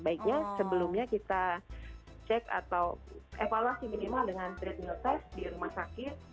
baiknya sebelumnya kita cek atau evaluasi minimal dengan trade mild test di rumah sakit